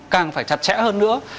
càng phải chặt chẽ hơn nữa